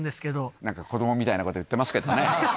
なんか子どもみたいなこと言ってますけれどもね。